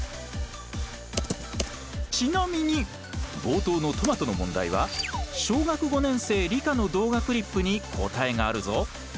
ちなみに冒頭のトマトの問題は小学５年生理科の動画クリップに答えがあるぞ。